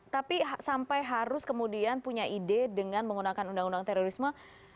tapi sampai harus kemudian punya ide dengan menggunakan undang undang terorisme